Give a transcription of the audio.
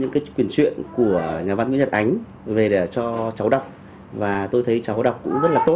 cháu có thể đọc những quyển chuyện của nhà văn nguyễn nhật ánh về để cho cháu đọc và tôi thấy cháu đọc cũng rất là tốt